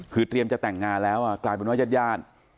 คือเตรียมจะแต่งงานแล้วกลายเป็นว่าญาติญาติ